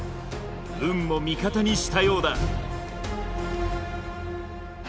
運も味方にしたようだ。